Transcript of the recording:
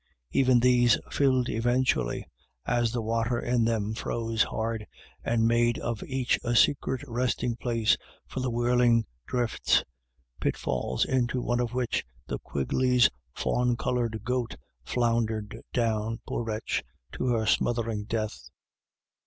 Even these filled eventually, as the water in them froze hard, and made of each a secret resting place for the whirling drifts, pitfalls into one of which the Quigley's fawn coloured goat floundered down, poor wretch, to her smothering death.